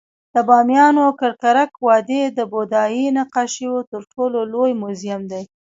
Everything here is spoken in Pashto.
د بامیانو ککرک وادي د بودايي نقاشیو تر ټولو لوی موزیم دی